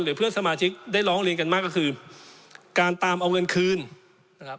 เพื่อนสมาชิกได้ร้องเรียนกันมากก็คือการตามเอาเงินคืนนะครับ